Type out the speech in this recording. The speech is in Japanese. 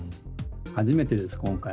初めてです、今回。